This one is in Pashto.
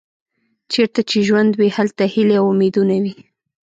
چیرته چې ژوند وي هلته هیلې او امیدونه وي.